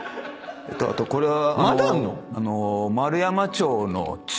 あとこれは。